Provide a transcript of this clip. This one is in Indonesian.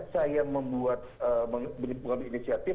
saya membuat mengambil inisiatif